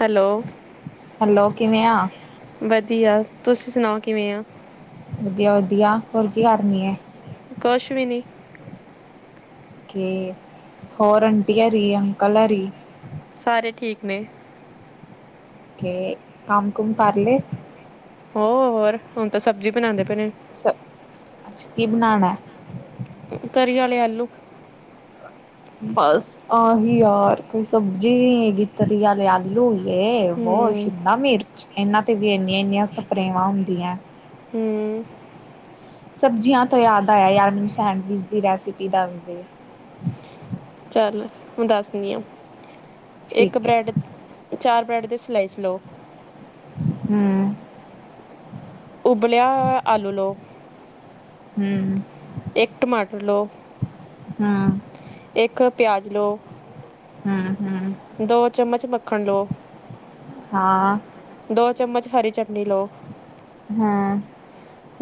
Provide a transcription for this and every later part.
Hello. Hello ਕਿਵੇਂ ਆ। ਵਧੀਆ ਤੁਸੀਂ ਸੁਣਾਓ ਕਿਵੇਂ ਆ? ਵਧੀਆ- ਵਧੀਆ ਹੋਰ ਕੀ ਕਰਨੀ? ਕੁਛ ਵੀ ਨੀ। ਹੋਰ ਆਂਟੀ ਅਰੀ ਅੰਕਲ ਅਰੀ? ਸਾਰੇ ਠੀਕ ਨੇ। ਓ ਕੰਮ- ਕੁਮ ਕਾਰਲੇ? ਹੋਰ ਹੋਹੋਰ ਹੁਣ ਤਾਂ ਸਬਜ਼ੀ ਬਣਦੇ ਪਾਏ ਨੇ। ਸ ਕੀ ਬਣਨਾ ਐ। ਤਰੀ ਵਾਲੇ ਆਲੂ। ਬਸ ਆਹੀ ਯਾਰ ਕੋਈ ਸਬਜ਼ੀ ਨਹੀਂ ਹੈਗੀ। ਤਰੀ ਵਾਲਲੇੇ ਆਲੂ ਯੇ ਵੋ ਹੂੰ ਸ਼ਿ। ਮਿਰਚ ਇਹਨਾਂ ਤੇ ਵੀ ਇੰਨੀਆਂ -ਇੰਨੀਆਂ ਸਪਰੇਵਾਂ ਹੁੰਦੀਆਂ। ਹੂੰ ਸਬਜ਼ੀਆਂ ਤੋਂ ਯਾਦ ਆਇਆ ਯਾਰ ਮੈਨੂੰ ਸੈਂਡਵਿਚ ਦੀ ਰੈਸਪੀ ਦੱਸਦੇ। ਚੱਲ ਹੁ ਦੱਸਦੀ ਆ ਇੱਕ ਠੀਕ ਹੈ ਬ੍ਰੈਡ ਤ ਚਾਰ ਬਰੈਡ ਦੀ ਸਲਿਏਸ ਲਓ। ਹੂ। ਓਬਲਯਾ ਆਲੂ ਲੋ। ਹਮ। ਏਕ ਟਮਾਟਰ ਲੋਂ। ਹਮ। ਏਕ ਪਿਆਜ਼ ਲੋ। ਹਮ- ਹਮ। ਦੋ ਚਮਚ ਮੱਖਣ ਲੋ। ਹਾਂ। ਦੋ ਚੰਮਚ ਹਰੀ ਚਟਨੀ ਲੋ। ਹਮ।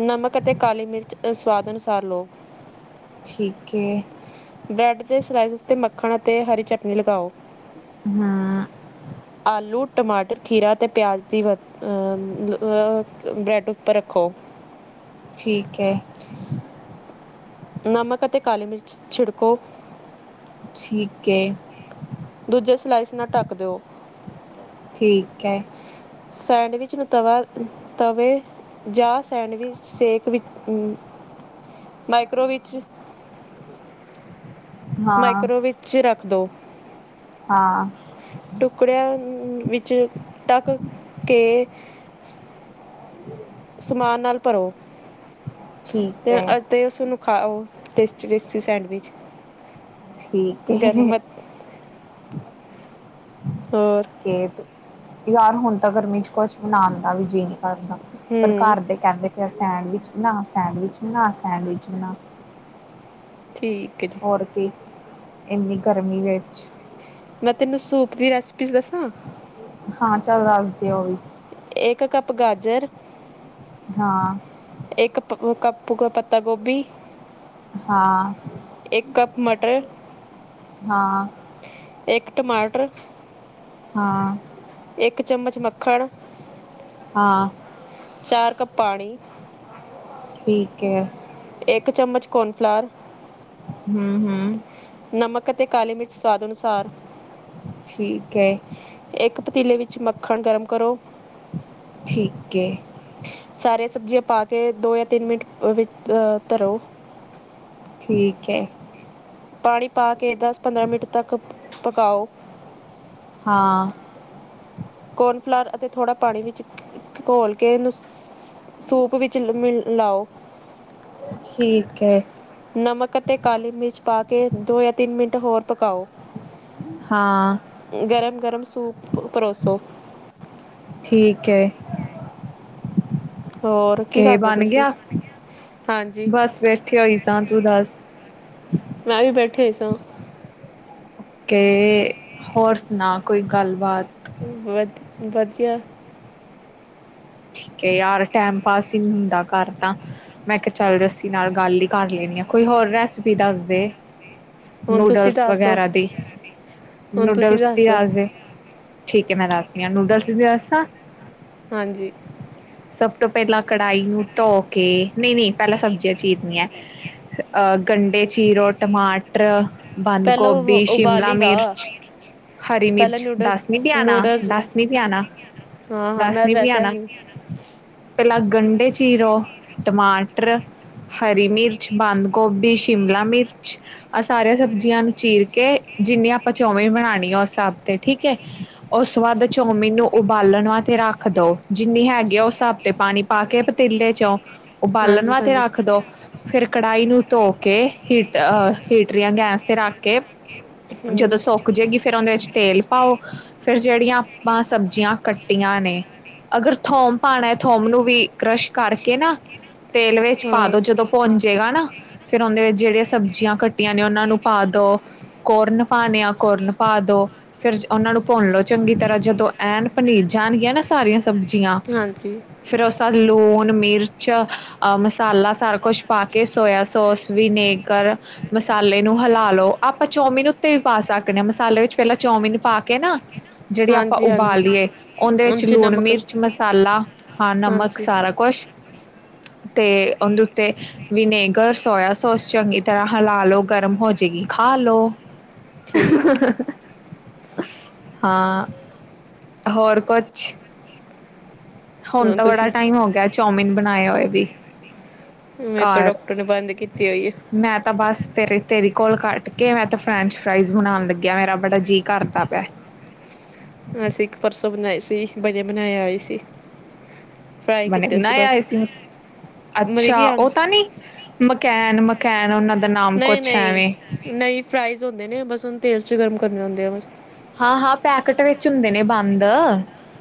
ਨਮਕ ਅਤੇ ਕਾਲੀ ਮਿਰਚ ਸਵਾਦ ਅਨੁਸਾਰ ਲੋ। ਠੀਕ ਏ। ਬਰੈੱਡ ਦੇ ਸਲਾਈਸ ਉਤੇ ਮੱਖਣ ਅਤੇ ਹਰੀ ਚਟਨੀ ਲਗਾਓ। ਹਾਂ ਆਲੂ। ਟਮਾਟਰ, ਖੀਰਾ ਅਤੇ ਪਿਆਜ਼ ਦੀ ਵ ਬ੍ਰੈੱਡ ਉੱਪਰ ਰੱਖੋ। ਠੀਕ ਅ। ਨਮਕ ਅਤੇ ਕਾਲੀ ਮਿਰਚ ਛਿੜਕੋ। ਠੀਕ ਏ। ਦੂਜੇ ਸਲਾਈਸ ਨਾਲ ਢੱਕ ਦੋ। ਠੀਕ ਅ। ਸੈਂਡਵਿਚ ਨੂੰ ਤਵਾ ਤਵੇ। ਜਾਂ ਸੈਂਡਵਿਚ ਸੇਕ ਵੀ ਮਾਈਕ੍ਰੋ ਵਿੱਚ। ਹਾਂ ਮਾਈਕਰੋ ਵਿਚ' ਰੱਖ ਦੋ। ਹਾਂ। ਟੁਕੜਿਆਂ ਵਿੱਚੋ ਟਕ ਕੇ। ਸਮਾਨ ਨਾਲ ਭਰੋ। ਠੀਕ ਤੇ ਹੈ ਅ। ਤੇ ਉਸਨੂੰ ਖਾਓ ਟੇਸਟੀ- ਟੇਸਟੀ ਸੈਂਡਵਿਚ। ਠੀਕ ਐ। ਗਰਮ ਹੋਰ। ਕੇ ਯਾਰ ਹੁਣ ਤਾਂ ਗਰਮੀ ਚ ਕੁਛ ਬਨਾਨ ਦਾ ਵੀ ਜੀਅ ਨੀ ਕਰਦਾ। ਪਰ ਹੂੰ ਘਰ ਦੇ ਕਹਿੰਦੇ ਪੇ ਸੈਂਡਵਿਚ ਬਣਾ- ਸੈਂਡਵਿਚ ਬਣਾ- ਸੈਂਡਵਿਚ ਬਣਾ ਠੀਕ ਅ ਜੀ। ਮੁੜ ਕੇ ਏਨੀ ਗਰਮੀ ਵਿੱਚ ਮੈਂ ਤੈਨੂੰ ਸੂਪ ਦੀ ਰੈਸਪੀ ਦੱਸਾਂ ਹਾਂ ਚੱਲ ਦੱਸ ਦੇ ਓ ਵੀ ਏਕ ਕੱਪ ਗਾਜਰ ਹਾਂ ਏਕ ਪਕ ਕੱਪ ਪੱਤਾ ਗੋਭੀ, ਹਾਂ ਏਕ ਕੱਪ ਮਟਰ, ਹਾਂ ਏਕ ਟਮਾਟਰ, ਹਾਂ ਏਕ ਚੰਮਚ ਮੱਖਣ, ਹਾਂ ਚਾਰ ਕੱਪ ਪਾਣੀ। ਠੀਕ ਐ। ਇੱਕ ਚਮਚ ਕੋਨਫਲਾਰ। ਹੂੰ ਹੂੰ ਨਮਕ ਤੇ ਕਾਲੇ ਮਿਰਚ ਸਵਾਦ ਅਨੁਸਾਰ। ਠੀਕ ਐ। ਇੱਕ ਪਤੀਲੇ ਵਿੱਚ ਮੱਖਣ ਗਰਮ ਕਰੋ। ਠੀਕ ਐ। ਸਾਰੇ ਸਬਜ਼ੀਆਂ ਪਾ ਕੇ ਦੋ ਜਾਂ ਤਿੰਨ ਮਿੰਟ ਵਿੱਚ ਅ ਧਰੋ। ਠੀਕ ਐ। ਪਾਣੀ ਪਾ ਕੇ ਦਸ- ਪੰਦਰਾਂ ਮਿੰਟ ਤੱਕ ਪਕਾਓ। ਹਾਂ ਕੋਰਨਫਲਰ ਅਤੇ ਥੋੜ੍ਹਾ ਪਾਣੀ ਚ ਘੋਲ ਕੇ ਉਨੂੰ ਸ ਸੂਪ ਵਿੱਚ ਮਿਲ-ਮਿਲਲਾਓ। ਠੀਕ ਐ। ਨਮਕ ਅਤੇ ਕਾਲੀ ਮਿਰਚ ਪਾ ਕੇ ਦੋ ਜਾਂ ਤਿੰਨ ਮਿੰਟ ਹੋਰ ਪਕਾਓ। ਹਾਂ ਗਰਮ- ਗਰਮ ਸੂਪ ਪਰੋਸੋ। ਠੀਕ ਐ। ਹੋਰ ਕੀ ਕਿ ਕਰਦੇ ਬਣ ਪਏ ਸੀ ਗਿਆ। ਹਾਂਜੀ ਬਸ ਬੈਠੇ ਹੋਈ ਸਾਂ, ਤੂੰ ਦੱਸ? ਮੈਂ ਵੀ ਬੈਠੀ ਹੋਈ ਸਾਂ। ਕੇ ਹੋਰ ਸੁਣਾ ਕੋਈ ਗੱਲਬਾਤ। ਬੋਤ ਵਧੀਆ। ਠੀਕ ਹੈ ਯਾਰ ਟੈਮ ਪਾਸ ਹੀ ਹੁੰਦਾ ਘਰ ਤਾਂ। ਮੈਂ ਕਿਹਾ ਚੱਲ ਜੱਸੀ ਨਾਲ ਗੱਲ ਹੀ ਕਰ ਲੈਂਣੀ ਆ। ਕੋਈ ਹੋਰ ਰੈਸਪੀ ਦੱਸਦੇ? ਹੁਣ ਤੁਸੀਂ ਨੂਡਲਸ ਦੱਸੋ ਵਗੈਰਾ ਦੀ, ਹੁਣ ਤੁਸੀਂ ਨੂਡਲਸ ਦੀ ਦੱਸੋ ਰਾਜ਼ੇ ਠੀਕ ਹੈ ਮੈਂ ਦੱਸਦੀ ਹਾਂ। ਨੂਡਲਸ ਦੀ ਵੀ ਦੱਸਾਂ। ਹਾਂਜੀ ਸਭ ਤੋਂ ਪਹਿਲਾਂ ਕੜਾਹੀ ਨੂੰ ਧੋ ਕੇ, ਨਈ-ਨਈ ਪਹਿਲਾਂ ਸਬਜ਼ੀਆਂ ਚੀਰਨੀਆਂ ਐ। ਅਹ ਗੰਡੇ ਚੀਰੋ ਟਮਾਟ -ਟਰ, ਬੰਦ ਪਹਿਲਾਂ ਉਬ ਗੋਭੀ, ਸ਼ਿਮਲਾ ਉਬਾਲੀ ਗਾ ਮਿਰਚ ਹਰੀ ਪਹਿਲਾਂ ਮਿਰਚ ਦਸ ਨਿਊਡਲਸ ਨਹੀਂ ਪਿਆਣਾ ਨੂਡਲਸ ਦਸ ਨਹੀ ਪਿਆਣਾ। ਹਾਂ ਹਾਂ ਦਸ ਮੈਂ ਨੀ ਵੈਸਿਆ ਪਿਆਣਾ ਵੀ ਪਹਿਲਾਂ ਗੰਢੇ ਚੀਰੋ ਟਮਾਟਰ ਹਰੀ ਮਿਰਚ, ਬੰਦ-ਗੋਭੀ, ਸ਼ਿਮਲਾ ਮਿਰਚ ਆਹ ਸਾਰੀਆਂ ਸਬਜ਼ੀਆਂ ਨੂੰ ਚੀਰ ਕੇ, ਜਿੰਨੀੇ ਆਪਾਂ ਚਾਉਮੀਨ ਬਣਾਉਣੀ ਆ, ਉਸ ਹੈਸਾਬ ਤੇ ਠੀਕ ਏ। ਉਸ ਤੋਂ ਬਾਅਦ ਚੋਮੀਨ ਨੂੰ ਉਬਾਲਣ ਵਾਸਤੇ ਰੱਖ ਦੋ। ਜਿੰਨੀ ਹੈਗੀ ਆ, ਉਸ ਹੈਸਾਬ ਤੇ ਪਾਣੀ ਪਾ ਕੇ ਪਤੀਲੇ ਚੋਂ ਉਬਾਲਣ ਹਾਂਜੀ ਵਾਥੇ ਹਾਂਜੀ ਰੱਖ ਦੋ। ਫਿਰ ਕੜਾਹੀ ਨੂੰ ਧੋ ਕੇ, ਹੀਟ ਅਹ ਹੀਟਰ ਯਾ ਗੈਸ ਤੇ ਰੱਖ ਕੇ ਹੂੰ ਜਦੋਂ ਸੁੱਕ ਜਾਏਗੀ ਫਿਰ ਉਹਦੇ ਚ ਤੇਲ ਪਾਓ। ਫੇਰ ਜਿਹੜੀਆਂ ਆਪਾਂ ਸਬਜ਼ੀਆਂ ਕੱਟੀਆਂ ਨੇ ਅਗਰ ਥੋਮ ਪਾਉਣਾ, ਥੋਮ ਨੂੰ ਵੀ ਕਰਸ਼ ਕਰਕੇ ਨਾ ਤੇਲ ਵਿੱਚ ਪਾ ਹਾਂ। ਦੋ। ਜਦੋਂ ਭੁੰਜੇਗਾ ਨਾ, ਫਿਰ ਉਹਂਦੇ ਵਿੱਚ ਜਿਹੜੀਆਂ ਸਬਜ਼ੀਆਂ ਕੱਟੀਆਂ ਨੇ ਉਹਨਾਂ ਨੂੰ ਪਾ ਦੋ। ਕੋਰਨ ਪਾਣੇ ਆ ਕੋਰਨ ਪਾ ਦੋ। ਫਿਰ'ਚ ਉਹਨਾਂ ਨੂੰ ਭੁੰਨ ਲਓ ਚੰਗੀ ਤਰਾਂ ਜਦੋਂ ਐਨ ਪਨੀਜ ਜਾਣਗੀਆਂ ਨਾ ਸਾਰੀਆਂ ਜੀਆਂ, ਹਾਂਜੀ, ਫੇਰ, ਉਸ ਬਾਅਦ ਲੂਣ, ਮਿਰਚ ਅ ਮਸਾਲਾ ਸਾਰਾ ਕੁਛ ਪਾ ਕੇ ਸੋਇਆ ਸੋਸ ਵੀਨੇਕਰ- ਮਸਾਲੇ ਨੂੰ ਹਿਲਾ ਲਓ। ਆਪਾਂ ਚੌਮਿਨ ਉੱਤੇ ਵੀ ਪਾ ਸਕਦੇ ਹਾਂ। ਮਸਾਲੇ ਵਿੱਚ ਪਹਿਲਾਂ ਚੌਮਿਨ ਪਾ ਕੇ ਨਾ- ਜਿਹੜੀ ਆਪਾਂ ਹਾਂਜੀ, ਹਾਂਜੀ ਉਬਾਲੀਏ ਉਹਦੇ ਉਹ ਵਿੱਚ 'ਚ ਲੂਣ, ਨਮਕ ਮਿਰਚ, ਮਸਾਲਾ ਹਾਂ ਨਮਕ ਹਾਂਜੀ। ਸਾਰਾ- ਰਾ ਕੂਝ ਤੇ ਉਹਂਦੇ ਉੱਤੇ- ਵਿਨੇਗਰ, ਸੋਇਆ ਸੋਸ ਚੰਗੀ ਤਰਾਂ ਹਿਲਾ ਲੋ, ਗਰਮ ਹੋਜੇਗੀ ਖਾਲੋੋ। ਠੀਕ ਹਾਂ ਹੋਰ ਕੁਛ? ਹੁਣ ਤਾਂ ਬੜਾ ਟਾਈਮ ਹੋ ਗਿਆ ਚੌਮਿਨ ਬਣਾਏ ਹੋਏ ਵੀ- ਮੇਰੇ ਤੋਂ ਘਰ ਡਾਕਟਰ ਨੇ ਬੰਦ ਕੀਤੀ ਹੋਈ ਮੈਂ ਤਾਂ ਬਸ ਤੇਰੇ- ਤੇਰੀ ਕੋਲ ਕੱਟ ਕੇ, ਮੈਂ ਤਾਂ ਫਰੈਂਚ ਫਰਾਈਜ਼ ਬਣਾਉਣ ਲੱਗਿਆ। ਮੇਰਾ ਬੜਾ ਜੀਅ ਕਰਤਾ ਪਿਆ। ਅਸੀਂ ਇੱਕ ਪਰਸੋਂ ਬਣਾਈ ਸੀ, ਬੜੇ ਬਣਾਏ ਆਏ ਸੀ। ਫਰਾਈ ਬਣੇ ਕੀਤੇ -ਬਣਾਏ ਬਸ ਆਏ ਸੀ? ਮਤਲਬ ਅੱਛਾ, ਕਿ ਹਾਂ ਉਹ ਤਾਂ ਨੀ- ਮਕੈਨ-ਮਕੈਨ ਉਹਨਾਂ ਦਾ- ਨਾਮ ਕੁਛ ਨਹੀਂ-ਨਹੀਂ, ਐਵੇਂ ਨਹੀਂ ਫਰਾਈਜ਼ ਹੁੰਦੇ ਨੇ, ਬਸ ਉਹਨੂੰ ਤੇਲ ਚ ਗਰਮ ਕਰਨੇ ਹੁੰਦੇ ਆ ਬਸ। ਹਾਂ-ਹਾਂ, ਪੈਕਟ ਵਿੱਚ ਹੁੰਦੇ ਨੇ ਬੰਦ।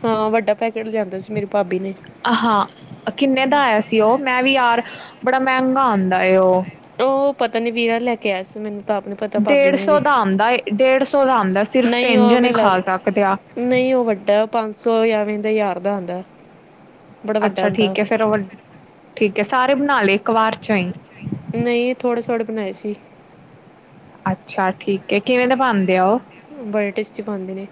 ਹਾਂ, ਵੱਡਾ ਪੈਕੇਟ ਲਿਆਂਦਾ ਸੀ ਮੇਰੀ ਭਾਬੀ ਨੇ। ਆ ਹਾਂ, ਕਿੰਨੇ ਦਾ ਆਇਆ ਸੀ ਉਹ? ਮੈਂ ਵੀ ਯਾਰ ਬੜਾ ਮਹਿੰਗਾ ਆਉਂਦਾ ਹੈ ਉਹ। ਉਹ, ਪਤਾ ਨੀ ਵੀਰਾ ਲੈ ਕੇ ਆਇਆ ਸੀ ਮੈਨੂੰ- ਤਾਂ ਆਪ ਨੀ ਪਤਾ ਭਾਬੀ ਡੇਢ ਨੇ ਸੌ ਦਾ ਦਿੱਤੇ ਆਉਂਦਾ-ਡੇਢ ਸੌ ਦਾ ਆਉਂਦਾ ਸੀ। ਸਿਰਫ ਨਹੀਂ ਤਿੰਨ ਉਹ ਜਣੇ ਮੈਨੂੰ ਲੱਗ ਖਾ ਸਕਦੇ ਆ। ਨਹੀਂ, ਉਹ ਵੱਡਾ ਪੰਜ ਸੌ ਯਾ ਐਵੇਂ ਹਜ਼ਾਰ ਦਾ ਆਉਂਦਾ। ਅੱਛਾ ਠੀਕ ਹੈ। ਫੇਰ ਉਹ ਠੀਕ ਹੈ ਸਾਰੇ ਬਣਾ ਲਏ ਇੱਕ ਵਾਰ'ਚ ਹੀ? ਨਹੀਂ, ਥੋੜੇ -ਥੋੜੇ ਬਣਾਏ ਸੀ। ਅੱਛਾ, ਠੀਕ ਹੈ ਕਿਵੇਂ ਦਾ ਬਣਦੇ ਆ ਉਹ? ਬੜੇ ਟੇਸਟੀ ਬਣਦੇ ਨੇ।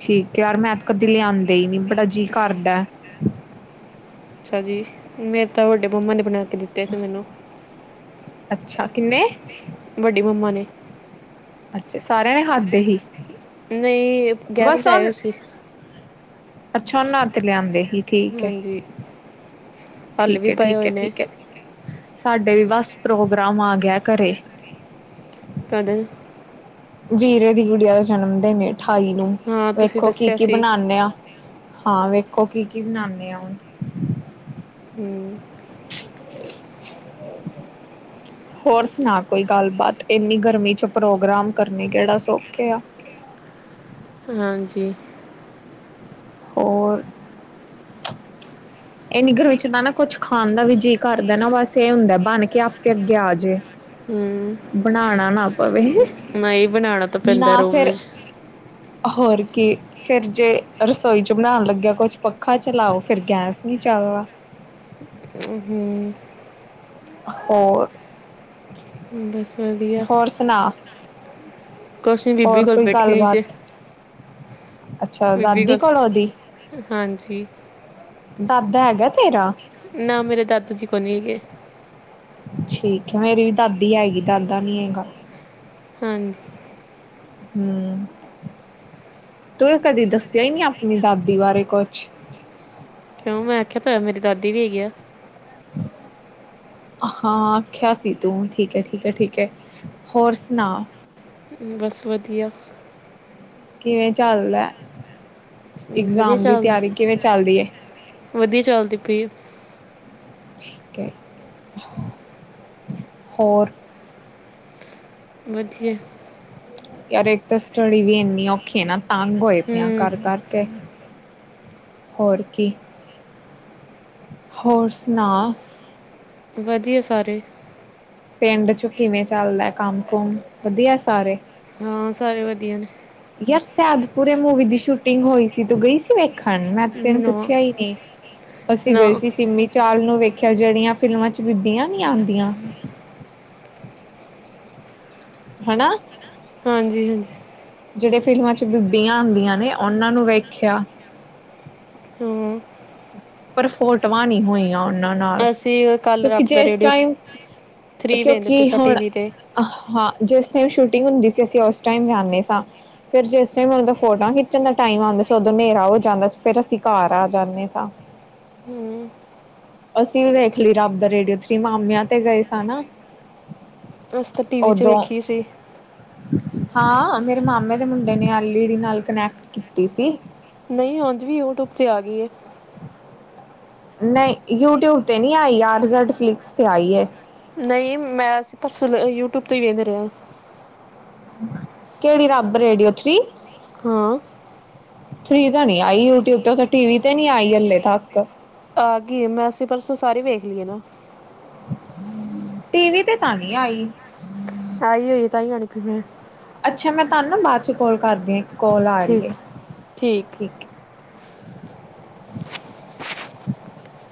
ਠੀਕ ਹੈ ਯਾਰ, ਮੈਂ ਤੇ ਕਦੇ ਲਿਆਂਦੇ ਹੀ ਨੀ ਬੜਾ ਜੀਅ ਕਰਦਾ। ਅੱਛਾ ਜੀ, ਮੇਰੇ ਤਾਂ ਵੱਡੇ ਮੰਮਾ ਨੇ ਬਣਾ ਕੇ ਦਿੱਤੇ ਸੀ ਮੈਨੂੰ। ਅੱਛਾ, ਕਿਹਨੇ? ਵੱਡੀ ਮੰਮਾ ਨੇ। ਅੱਛਾ, ਸਾਰਿਆਂ ਨੇ ਖਾਦੇ ਹੀ? ਨਹੀਂ, ਗੈਸਟ ਬਸ ਆਏ ਹੋਏ ਹੁਣ ਸੀ। ਅੱਛਾ, ਉਹਨਾਂ'ਤੇ ਲਿਆਂਦੇ ਹੀ। ਠੀਕ ਹੈ- ਹਾਂਜੀ ਹੱਲ ਠੀਕ ਵੀ ਹੈ, ਪਏ ਠੀਕ ਹੋਏ ਹੈ- ਨੇ ਠੀਕ ਹੈ। ਸਾਡੇ ਬਸ ਪ੍ਰੋਗਰਾਮ ਆ ਗਿਆ ਘਰੇ। ਕਦੋ? ਜੀਰੇ ਦੀ ਗੁੜੀਆ ਦਾ ਜਨਮਦਿਨ ਆ ਅਠਾਈ ਨੂੰ, ਹਾਂ ਤੁਸੀਂ ਵੇਖੋ ਕੀ- ਦੱਸਿਆ ਕੀ ਸੀ ਬਣਾਨੇ ਆ। ਹਾਂ, ਵੇਖੋ ਕੀ- ਕੀ ਬਣਾਉਨੇ ਆ ਹੁਨ। ਹੂੰ। [inaudible] ਹੋਰ ਸੁਣਾ ਕੋਈ ਗੱਲਬਾਤ, ਇੰਨੀ ਗਰਮੀ ਚ ਪ੍ਰੋਗਰਾਮ ਕਰਨੇ ਕਿਹੜਾ ਸੌਖੇ ਆ। ਹਾਂਜੀ। ਹੋਰ? ਇਹੰਨੀ ਗਰਮੀ ਵਿੱਚ ਤਾਂ ਨਾ ਕੁਛ ਖਾਣ ਦਾ ਵੀ ਜੀਅ ਕਰਦਾ ਨਾ ਬਸ ਇਹ ਹੁੰਦਾ ਬਣ ਕੇ ਆਪੇ ਅੱਗੇ ਆ ਜੇ। ਹੂੰ। ਬਣਾਣਾ ਨਾ ਪਵੇ। ਮ ਹੀ ਬਣਾਉਣਾ ਤਾਂ ਪੈਂਦਾ ਨਾ ਰੂਮ ਫਿਰ ਵਿੱਚ। ਹੋਰ ਕੀ। ਫੇਰ ਜੇ ਰਸੋਈ ਚ ਬਣਾਉਣ ਲੱਗਿਆ ਕੁਛ ਪੱਖਾ ਚਲਾਓ ਫਿਰ ਗੈਸ ਨੀ ਚੱਲਨਾ। ਹੂੰ-ਹੂੰ। ਹੋਰ। ਬਸ। ਵਧੀਆ ਹੋਰ ਸੁਣਾ ਕੁਛ ਨਹੀਂ ਬੀਬੀ ਹੋਰ ਕੋਲ ਕੋਈ ਬੈਠੇ ਹੋਏ ਸੀ ਗੱਲਬਾਤ। ਅੱਛਾ ਦਾਦੀ ਕੋਲ ਔਦੀ। ਹਾਂਜੀ। ਦਾਦਾ ਹੈਗਾ ਤੇਰਾ। ਨਾ ਮੇਰੇ ਦਾਦੂ ਜੀ ਕੋ ਨੀ ਹੈਗੇ। ਠੀਕ ਹੈ ਮੇਰੀ ਵੀ ਦਾਦੀ ਹੈਗੀ ਦਾਦਾ ਨੀ ਹੈਗਾ। ਹਾਂਜੀ। ਹੂੰ ਤੂੰ ਕਦੀ ਦੱਸਿਆ ਹੀ ਨੀ ਆਪਣੀ ਦਾਦੀ ਬਾਰੇ ਕੁਛ। ਮੈਂ ਆਖਿਆ ਤਾਂ ਹੈ ਮੇਰੀ ਦਾਦੀ ਵੀ ਹੈਗੀ ਆ। ਹਮ। ਹਾਂ ਆਖਿਆ ਸੀ ਤੂੰ ਠੀਕ ਹੈ-ਠੀਕ ਹੈ, ਠੀਕ ਹੈ ਹੋਰ ਸੁਣਾ। ਬਸ ਵਧੀਆ। ਕਿਵੇਂ ਚੱਲਦਾ, ਵਧੀਆ ਇਗਜ਼ਾਮ ਦੀ ਚੱਲਦਾ ਤਿਆਰੀ ਕਿਵੇਂ ਚੱਲਦੀ ਐ। ਵਧੀਆ ਚੱਲਦੀ ਪਈ ਏ। ਠੀਕ ਹੈ ਹੋਰ। ਵੱਧੀਆ। ਯਾਰ ਇੱਕ ਤਾਂ ਸਟੜਡੀ ਵੀ ਇੰਨੀ ਔਖੀ ਹੈ ਨਾ ਤੰਗ ਹੋਏ ਪਏ ਆ ਕਰ ਹੂੰ ਕਰਕੇ। ਹੋਰ ਕੀ। ਹੋਰ ਸੁਣਾ। ਵਧੀਆ ਸਾਰੇ। ਪਿੰਡ ਚੋ ਕਿਵੇਂ ਚੱਲਦਾ ਕੰਮ-ਕੁਮ ਵਧੀਆ ਸਾਰੇ। ਹਾਂ ਸਾਰੇ ਵਧੀਆ ਨੇ। ਯਾਰ ਸੇਆਦਪੁਰੇ ਮੂਵੀ ਦੀ ਸ਼ੂਟਿੰਗ ਹੋਈ ਸੀ ਤੂੰ ਗਈ ਸੀ ਵੇਖ ਖਣ ਮੈਂ ਤੇ ਤੈਨੂੰ ਨਾ ਪੁੱਛਿਆ ਹੀ ਨੀ ਅਸੀਂ ਨਾ ਗਏ ਸੀ ਸਿਮੀ ਚਾਲ ਨੂੰ ਵੇਖਿਆ ਜਿਹੜੀਆਂ ਫਿਲਮਾਂ ਚ ਬੀਬੀਆਂ ਨੀ ਆਦੀਆਂ। ਹਨਾ। ਹਾਂਜੀ-ਹਾਂਜੀ। ਜੇੜੇ ਫਿਲਮਾਂ ਚ ਬੀਬੀਆਂ ਆਂਦੀਆਂ ਨੇ ਉਹਨਾਂ ਨੂੰ ਵੇਖਿਆ। ਹੂੰ। ਪਰ ਫੋਟੋਵਾ ਨੀ ਹੋਈਆਂ ਉਹ ਨਾ ਨਾਲ ਅਸੀਂ ਕੱਲ ਕਿਉਂਕਿ ਰੱਬ ਜੇ ਦਾ ਇਸ ਰੇਡੀਓ ਟਾਈਮ ਵੇਖਦੇ ਕਿਉਂਕਿ ਪਏ ਸਾਂ ਹੁਣ ਟੀਵੀ ਤੇ ਹਾਂ ਜਿਸ ਟਾਈਮ ਸ਼ੂਟਿੰਗ ਹੁੰਦੀ ਸੀ ਅਸੀਂ ਉਸ ਟਾਈਮ ਜਾਂਨੇ ਸਾ। ਫੇਰ ਜਿਸ ਟਾਈਮ [unintelligible] ਫੋਟਾ ਖਿੱਚਣ ਦਾ ਟਾਈਮ ਆਉਂਦਾ ਸੀ ਉਦੋਂ ਨੇਰਾ ਹੋ ਜਾਂਦਾ ਫੇਰ ਅਸੀਂ ਘਰ ਆ ਜਾਂਨੇ ਸਾ। ਹੂੰ ਅਸੀਂ ਵੀ ਵੇਖ ਲੀ ਰੱਬ ਦਾ ਰੇਡੀਓ ਥ੍ਰਰੀ ਮਾਮਿਆਂ ਤੇ ਗਏ ਸਾ ਨਾ। ਅਸੀ ਤਾਂ ਟੀ ਵੀ ਚ ਉਦੋਂ ਵੇਖੀ ਸੀ। ਹਾਂ ਮੇਰੇ ਮਾਮੇ ਦੇ ਮੁੰਡੇ ਨੇ ਐਲ ਈ ਡੀ ਨਾਲ ਕਨੈਕਟ ਕੀਤੀ ਸੀ। ਨਈ ਓਨਜ ਵੀ ਯੂਟਿਊਬ ਤੇ ਆ ਗੀ ਏ। ਨਈ ਯੂਟਿਊਬ ਤੇ ਨੀ ਆਈ ਆਰ ਰਿਜਲਟ ਫਲਿਕਸ ਤੇ ਆਈ ਏ। ਨਈ, ਮੈਂ ਅਸੀਂ ਪਰਸੋ ਯੂਟੁਬ, ਤੇ ਈ ਵੇਦੇ ਰੇ ਆਂ। ਕੇੜੀ, ਰੱਬ-ਰੇਡੀਔ ਥਰੀ? ਹਾਂ। ਥ੍ਰੀ ਤਾਂ ਨਾ ਆਈ, ਯੂਟਿਊਬ ਤੇ ਔਤੇ ਟੀ ਵੀ ਤੇ ਨੀ ਆਈ ਹਲੇ ਤੱਕ। ਆ ਗੀ ਏ, ਮੈਂ ਅਸੀਂ ਪਰਸੋਂ ਸਾਰੀ ਵੇਖ ਲੀ ਏ ਨਾ। ਟੀਵੀ, ਤੇ ਤਾਂ ਨੀ ਆਈ। ਆਈ ਹੋਈ, ਤਾਂ ਹੀ ਆ [unintelligible] ਮੈਂ। ਅੱਛਾ, ਮੈਂ ਤਾਨੂੰ ਨਾ ਬਾਦ ਚ ਕੋਲ ਕਰਦੀ ਆਂ ਇਕ ਕੋਲ ਆ ਰੀ ਏ, ਠੀਕ ਠੀਕ। ਹੈ। [inaudible]